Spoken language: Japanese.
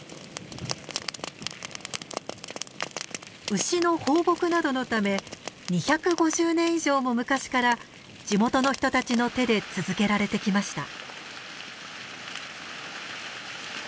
牛の放牧などのため２５０年以上も昔から地元の人たちの手で続けられてきました。